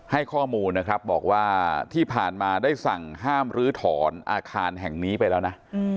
ให้ข้อมูลนะครับบอกว่าที่ผ่านมาได้สั่งห้ามลื้อถอนอาคารแห่งนี้ไปแล้วนะ